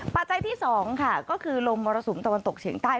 ปัจจัยที่๒ค่ะก็คือลมมรสุมตะวันตกเฉียงใต้